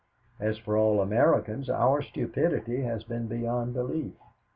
As for us Americans, our stupidity has been beyond belief.